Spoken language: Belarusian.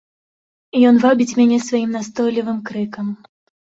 Ён вабіць мяне сваім настойлівым крыкам.